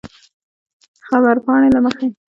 د خبرپاڼې له مخې